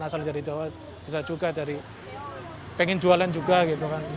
asal dari jawa bisa juga dari pengen jualan juga gitu kan